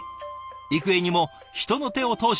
幾重にも人の手を通し